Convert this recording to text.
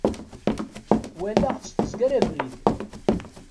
Walaɣ-tt tezger abrid.